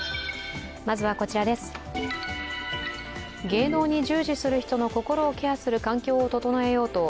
芸能に従事する人の心をケアする環境を整えようと、